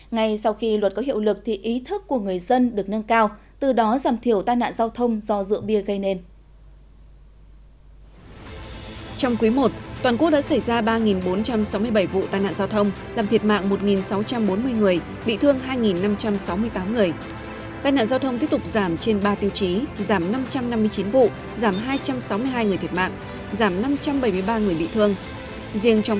ngay sau khi luật có hiệu lực thì ý thức của người dân được nâng cao từ đó giảm thiểu tai nạn giao thông do rượu bia gây nên